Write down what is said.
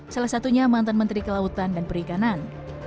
salah satunya mantan menteri kelautan dan perikanan